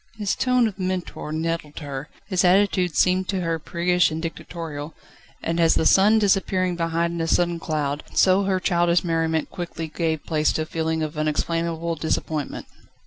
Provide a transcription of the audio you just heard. His tone of mentor nettled her, his attitude seemed to her priggish and dictatorial, and as the sun disappearing behind a sudden cloud, so her childish merriment quickly gave place to a feeling of unexplainable disappointment.